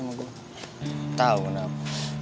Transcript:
temen banget sama gue tau enggak apa